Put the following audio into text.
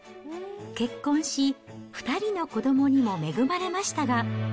結婚し、２人の子どもにも恵まれましたが。